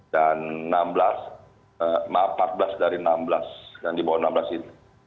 dan empat belas dari enam belas dan di bawah enam belas itu